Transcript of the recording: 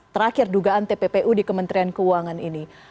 terakhir dugaan tppu di kementerian keuangan ini